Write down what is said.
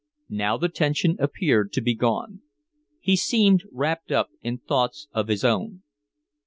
Now the tension appeared to be gone. He seemed wrapped up in thoughts of his own.